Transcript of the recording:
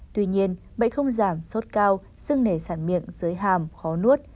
tuy nhiên bệnh không giảm sốt cao sưng nề sản miệng dưới hàm khó nuốt